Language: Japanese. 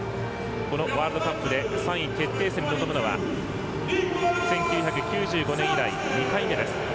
このワールドカップで３位決定戦に臨むことは１９９５年以来、２回目です。